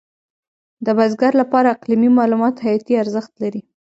د بزګر لپاره اقلیمي معلومات حیاتي ارزښت لري.